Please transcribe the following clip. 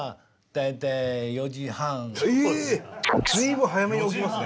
随分早めに起きますね。